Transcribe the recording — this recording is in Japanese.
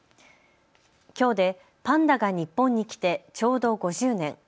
きょうでパンダが日本に来てちょうど５０年。